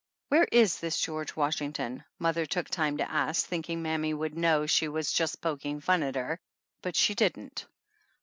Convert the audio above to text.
"Where is this George Washington r mother took time to ask, thinking mammy would know she was just poking fun at her, but she didn't.